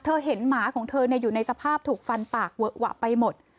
เห็นหมาของเธออยู่ในสภาพถูกฟันปากเวอะหวะไปหมด